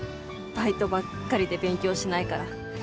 バイトばっかりで勉強しないから。